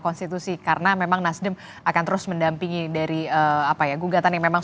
konstitusi karena memang nasdem akan terus mendampingi dari apa ya gugatan yang memang